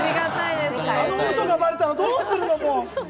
あのウソがバレたらどうするの？